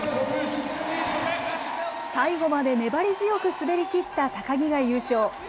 最後まで粘り強く滑り切った高木が優勝。